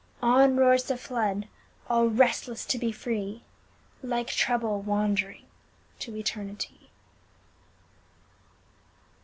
On roars the flood, all restless to be free, Like Trouble wandering to Eternity.